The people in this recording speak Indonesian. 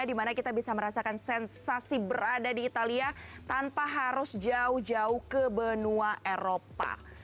dimana kita bisa merasakan sensasi berada di italia tanpa harus jauh jauh ke benua eropa